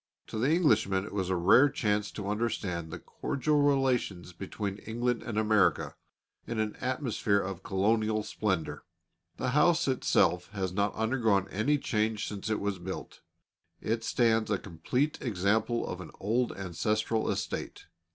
To the Englishmen it was a rare chance to understand the cordial relations between England and America, in an atmosphere of Colonial splendour. The house itself has not undergone any change since it was built; it stands a complete example of an old ancestral estate.